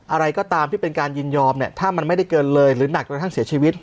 อะไรก็ตามที่เป็นการยินยอมเนี่ยถ้ามันไม่ได้เกินเลยหรือหนักกระทั่งเสียชีวิต